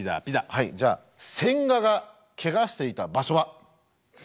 はいじゃあ千賀がケガしていた場所は？